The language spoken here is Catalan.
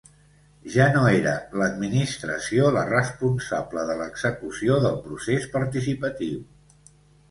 Ja no era l’administració la responsable de l’execució del procés participatiu.